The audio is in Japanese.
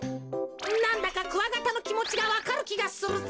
なんだかクワガタのきもちがわかるきがするぜ。